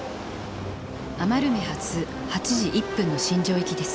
余目発８時１分の新庄行きです。